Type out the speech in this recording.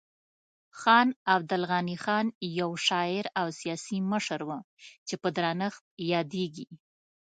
خان عبدالغني خان یو شاعر او سیاسي مشر و چې په درنښت یادیږي.